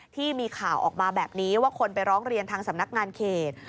ที่มีข่าวออกมาแบบนี้ว่าคนไปร้องเรียนทางสำนักงานเขต